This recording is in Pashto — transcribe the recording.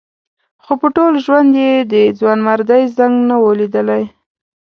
خو په ټول ژوند یې د ځوانمردۍ زنګ نه و لیدلی.